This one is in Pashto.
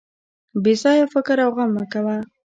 بې ځایه فکر او غم مه کوه.